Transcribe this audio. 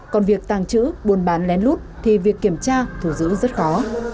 còn việc tàng trữ buôn bán lén lút thì việc kiểm tra thu giữ rất khó